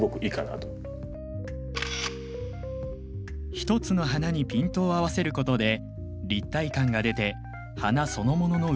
一つの花にピントを合わせることで立体感が出て花そのものの美しさも際立ってきます。